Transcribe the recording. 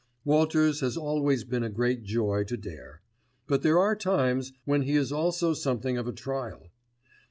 Walters has always been a great joy to Dare; but there are times when he is also something of a trial.